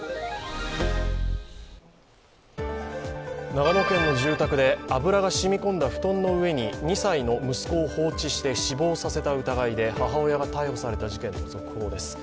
長野県の住宅で油が染み込んだ布団の上に２歳の息子を放置して死亡させた疑いで母親が逮捕された事件の続報です。